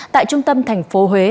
tại trung tâm thành phố huế